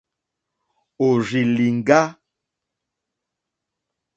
Òrzì lìŋɡá.